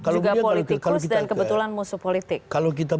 juga politikus dan kebetulan musuh politik